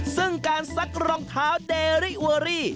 ซึ่งการซักรองเท้าเดรี่อัวรี่